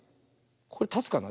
これたつかな。